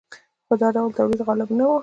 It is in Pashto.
خو دا ډول تولید غالب نه و.